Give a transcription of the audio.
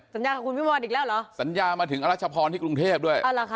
สัญญากับคุณวิวอีกแล้วเหรอสัญญามาถึงอรัชพรที่กรุงเทพด้วย